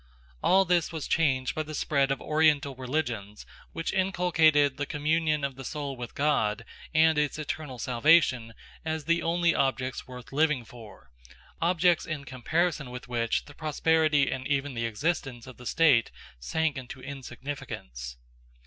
All this was changed by the spread of Oriental religions which inculcated the communion of the soul with God and its eternal salvation as the only objects worth living for, objects in comparison with which the prosperity and even the existence of the state sank into insignificance.